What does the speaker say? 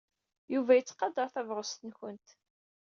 Yuba yettqadar tabɣest-nwent.